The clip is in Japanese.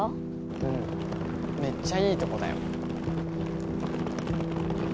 うんめっちゃいいとこだよ。